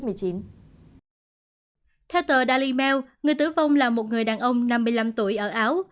theo tờ daily mail người tử vong là một người đàn ông năm mươi năm tuổi ở áo